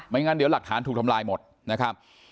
งั้นเดี๋ยวหลักฐานถูกทำลายหมดนะครับ